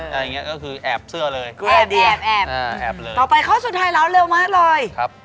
ที่แม่คุณแนะนำเนี่ยลูกมันอร่อยนะ